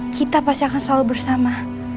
kita pasti akan selalu bersama